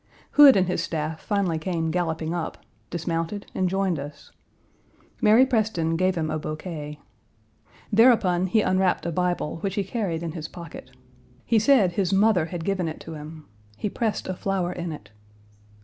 Hood and his staff finally came galloping up, dismounted, and joined us. Mary Preston gave him a bouquet. Thereupon he unwrapped a Bible, which he carried in his Page 232 pocket. He said his mother had given it to him. He pressed a flower in it.